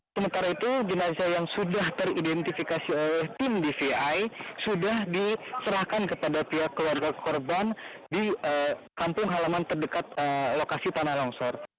sementara itu jenazah yang sudah teridentifikasi oleh tim dvi sudah diserahkan kepada pihak keluarga korban di kampung halaman terdekat lokasi tanah longsor